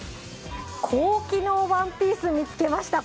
高機能ワンピース見つけました。